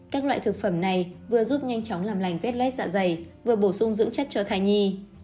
các loại thực phẩm này vừa giúp nhanh chóng làm lành vết lết dạ dày vừa bổ sung dưỡng chất cho thai nhi